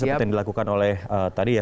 seperti yang dilakukan oleh tadi ya